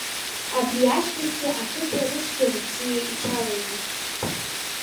Абри ашьҭахьгьы ақыҭа рыцәгьа-рыбзиа иҽалаимырхәт.